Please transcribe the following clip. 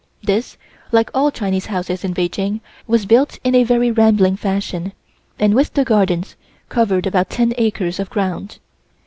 This, like all Chinese houses in Peking, was built in a very rambling fashion, and with the gardens, covered about ten acres of ground.